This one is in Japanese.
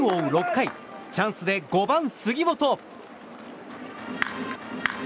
６回チャンスで５番、杉本。